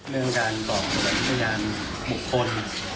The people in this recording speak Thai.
เรื่องการปลอดภัยพยายามบุคคล